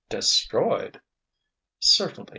"Destroyed!" "Certainly.